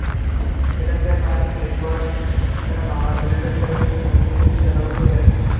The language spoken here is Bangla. সেখানকার পার্কিংয়ে ফুয়াদ তাঁর মামার প্রাইভেট কারের সঙ্গে মোটরসাইকেলটি তালাবদ্ধ করেন।